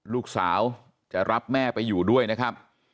ลูกสาวจะรับแม่ไปอยู่ด้วยนะครับ